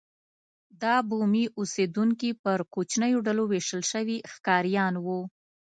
دا بومي اوسېدونکي پر کوچنیو ډلو وېشل شوي ښکاریان وو.